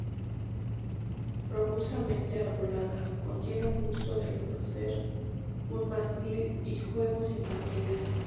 Profusamente arbolada contiene un busto del prócer, un mástil y juegos infantiles.